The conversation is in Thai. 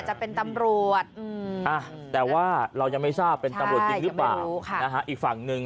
จะเป็นตำรวจแต่ว่าเรายังไม่ทราบเป็นตำรวจจริงหรือเปล่าอีกฝั่งหนึ่ง